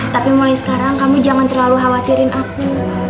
tapi mulai sekarang kamu jangan terlalu khawatirin aku